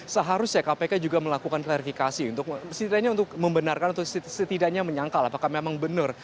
seharusnya kpk juga melakukan klarifikasi untuk setidaknya untuk membenarkan atau setidaknya menyangkal apakah memang benar